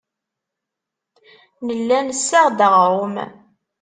Nella nessaɣ-d aɣrum.